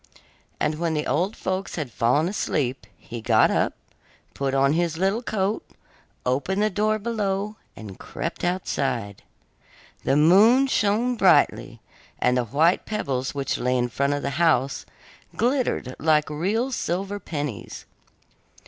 And when the old folks had fallen asleep, he got up, put on his little coat, opened the door below, and crept outside. The moon shone brightly, and the white pebbles which lay in front of the house glittered like real silver pennies.